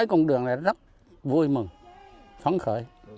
cái con đường này rất vui mừng phấn khởi